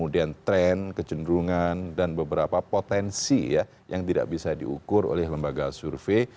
dan tren kecenderungan dan beberapa potensi ya yang tidak bisa diukur oleh lembaga survei